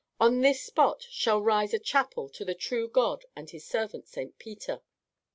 On this spot shall rise a chapel to the true God and his servant St. Peter.